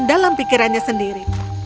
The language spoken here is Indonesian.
dalam pikirannya sendiri